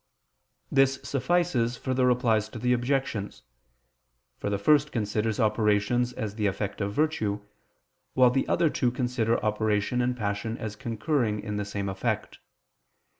This suffices for the Replies to the Objections. For the first considers operations as the effect of virtue, while the other two consider operation and passion as concurring in the same effect.